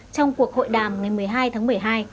trong cuộc hội đàm ngày một mươi hai tháng một mươi hai